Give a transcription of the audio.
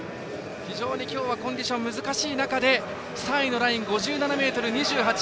非常に今日はコンディション難しい中で３位のライン、５７ｍ２８。